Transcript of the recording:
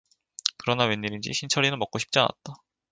그러나 웬일인지 신철이는 먹고 싶지 않았다.